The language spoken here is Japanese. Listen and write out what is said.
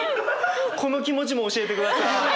この気持ちも教えてください。